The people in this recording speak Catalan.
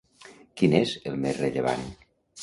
Quin és el més rellevant?